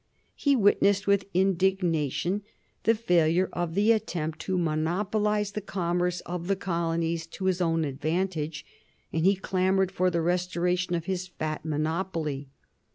He witnessed with indignation the failure of the attempt to monopolize the commerce of the colonies to his own advantage, and he clamored for the restoration of his fat monopoly.